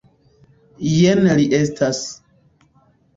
Jen li estas.